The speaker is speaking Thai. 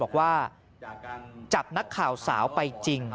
บอกว่าจับนักข่าวสาวไปจริง